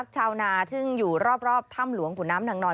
ชาวนาซึ่งอยู่รอบถ้ำหลวงขุนน้ำนางนอน